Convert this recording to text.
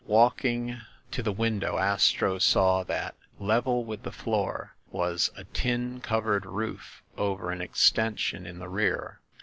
Walking to the window, Astro saw that, level with the floor, was a tin covered roof over an extension in the rear.